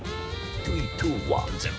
トゥリートゥワンゼロ！